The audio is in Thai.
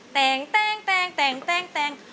แต่งแต่งแต่งแต่งแต่งแต่ง